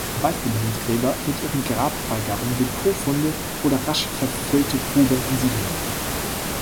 Beispiele sind Gräber mit ihren Grabbeigaben, Depotfunde oder rasch verfüllte Gruben in Siedlungen.